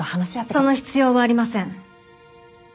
その必要はありません。